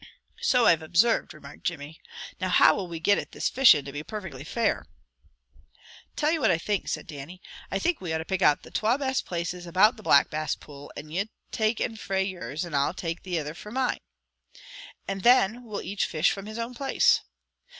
"So I've obsarved," remarked Jimmy. "Now, how will we get at this fishin' to be parfectly fair?" "Tell ye what I think," said Dannie. "I think we ought to pick out the twa best places about the Black Bass pool, and ye take ane fra yours and I'll take the ither fra mine, and then we'll each fish from his own place."